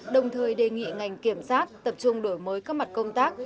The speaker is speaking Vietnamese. đồng thời đề nghị ngành kiểm sát tập trung đổi mới các mặt công tác